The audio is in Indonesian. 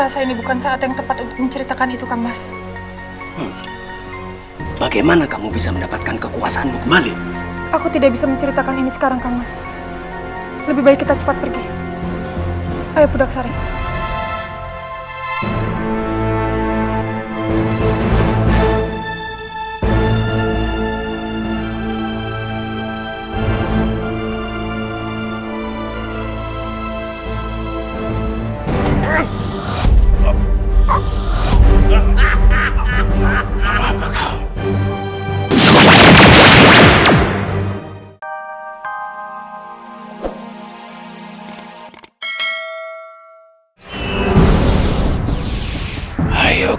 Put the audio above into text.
sampai jumpa di video selanjutnya